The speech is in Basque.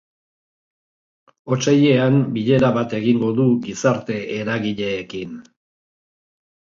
Otsailean bilera bat egingo du gizarte eragileekin.